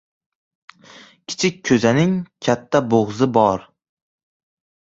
Kichik koʻzaning katta boʻgʻzi bor.